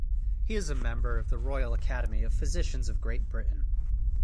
He is a member of the Royal Academy of Physicians of Great Britain.